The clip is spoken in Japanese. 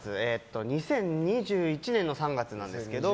２０２１年の３月なんですけど。